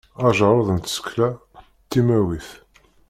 Ajerreḍ n tsekla timawit.